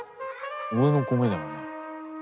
俺の米だよお前。